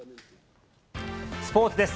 スポーツです。